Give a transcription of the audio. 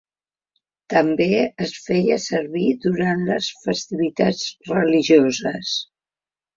També es feia servir durant les festivitats religioses.